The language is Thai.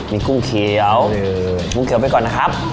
มีกุ้งเขียวกุ้งเขียวไปก่อนนะครับ